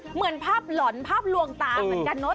เหมือนภาพหล่อนภาพลวงตาเหมือนกันเนอะ